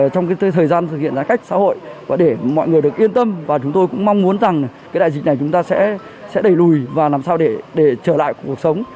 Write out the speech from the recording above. trong thời gian thực hiện giãn cách xã hội và để mọi người được yên tâm và chúng tôi cũng mong muốn rằng đại dịch này chúng ta sẽ đẩy lùi và làm sao để trở lại cuộc sống